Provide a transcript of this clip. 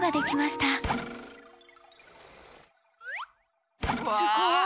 すごい。